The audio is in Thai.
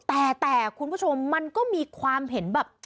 แต่คุณผู้ชมมันก็มีความเห็นแบบ